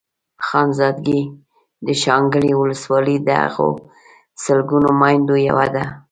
خانزادګۍ د شانګلې ولسوالۍ له هغو سلګونو ميندو يوه ده.